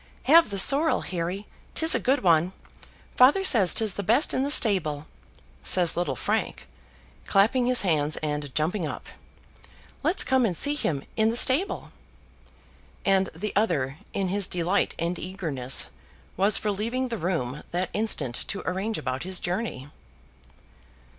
"Have the sorrel, Harry; 'tis a good one. Father says 'tis the best in the stable," says little Frank, clapping his hands, and jumping up. "Let's come and see him in the stable." And the other, in his delight and eagerness, was for leaving the room that instant to arrange about his journey.